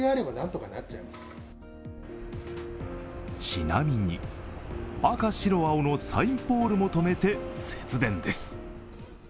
ちなみに、赤白青のサインポールも止めて節電です。